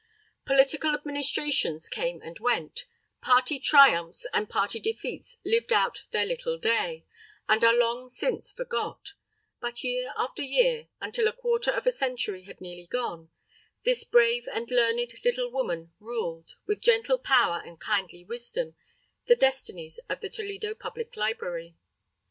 Political administrations came and went, party triumphs and party defeats lived out "their little day" and are long since forgot; but year after year, until a quarter of a century had nearly gone, this brave and learned little woman ruled, with gentle power and kindly wisdom, the destinies of the Toledo Public Library.